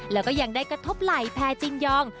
และยังได้กระทบไหลแพรร์จิงยอง